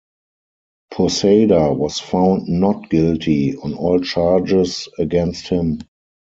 Posada was found not guilty on all charges against him.